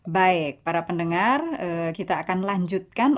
baik para pendengar kita akan lanjutkan